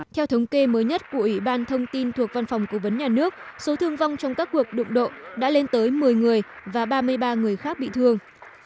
theo thống kê mới nhất của ủy ban thông tin thuộc văn phòng cố vấn nhà nước số thương vong trong các cuộc đụng độ đã lên tới một mươi người và ba mươi ba người khác bị thương